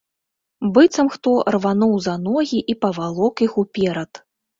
Быццам хто рвануў за ногі і павалок іх уперад.